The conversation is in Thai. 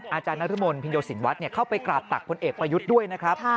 อาจารย์นรมนภินโยสินวัฒน์เข้าไปกราบตักพลเอกประยุทธ์ด้วยนะครับ